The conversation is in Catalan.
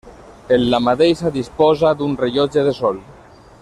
En la mateixa disposa d'un rellotge de sol.